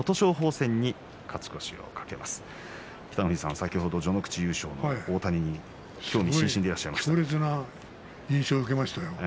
北の富士さん、先ほど序ノ口優勝の大谷に強烈な印象を受けましたよ。